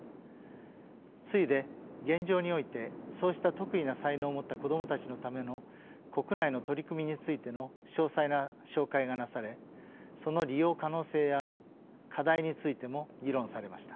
次いで現状においてそうした特異な才能を持った子どもたちのための国内の取り組みについての詳細な紹介がなされその利用可能性や課題についても議論されました。